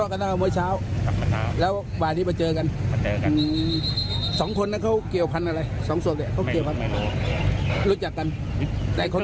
๓คนครับ๓คน